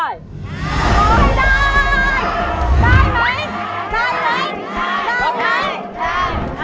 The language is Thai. ได้ไหมใช่มั้ยได้ไหมค่ะทำได้